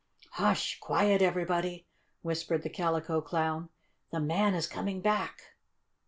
"Hush! Quiet, everybody!" whispered the Calico Clown. "The man is coming back!"